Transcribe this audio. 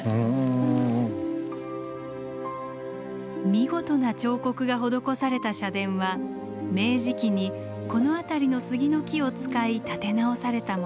見事な彫刻が施された社殿は明治期にこの辺りの杉の木を使い建て直されたもの。